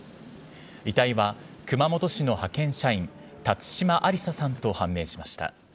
遺体は熊本市の派遣社員、辰島ありささんと判明しました。